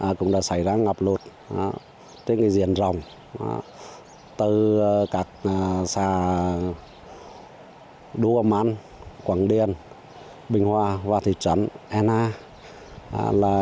hôm nay cũng đã xảy ra ngập lụt tới diện rồng từ các xà đu văn măn quảng điên bình hoa và thị trấn anna